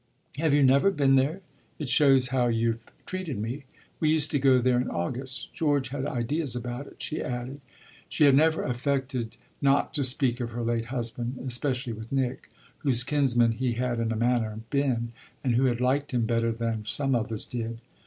"Have you never been there? It shows how you've treated me. We used to go there in August. George had ideas about it," she added. She had never affected not to speak of her late husband, especially with Nick, whose kinsman he had in a manner been and who had liked him better than some others did.